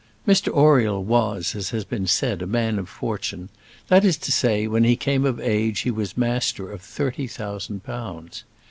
Mr Oriel was, as it has been said, a man of fortune; that is to say, when he came of age he was master of thirty thousand pounds.